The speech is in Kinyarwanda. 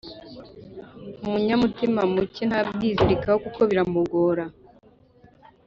umunyamutima muke ntabwizirikaho kuko biramugora